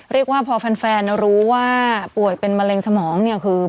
เรียกว่าพอแฟนรู้ว่าป่วยเป็นมะเร็งสมองเนี่ยคือ